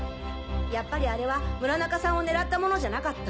やっぱりあれは村中さんを狙ったものじゃなかった。